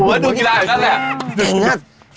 เหมือนดูกีฬาอย่างนั้นแหละ